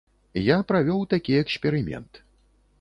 Я правёў такі эксперымент.